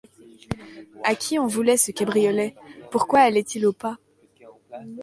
À qui en voulait ce cabriolet? pourquoi allait-il au pas ?